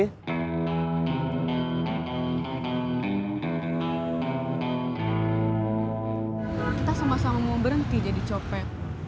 kita sama sama mau berhenti jadi copet